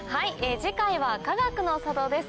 次回はかがくの里です。